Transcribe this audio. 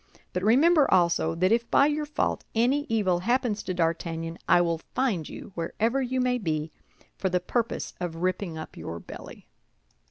But remember, also, that if by your fault any evil happens to D'Artagnan, I will find you, wherever you may be, for the purpose of ripping up your belly."